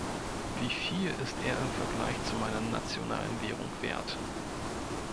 Wieviel ist er im Vergleich zu meiner nationalen Währung wert?